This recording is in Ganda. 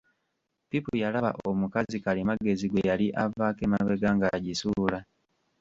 Pipu yalaba omukazi Kalimagezi gwe yali avaako emabega ng'agisuula.